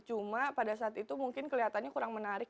cuma pada saat itu mungkin kelihatannya kurang menarik